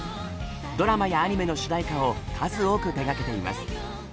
ドラマやアニメの主題歌を数多く手がけています。